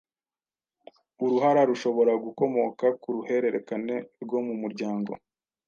Uruhara rushobora gukomoka ku ruhererekane rwo mu muryango,